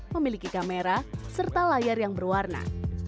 memiliki kamera serta layar yang berwarna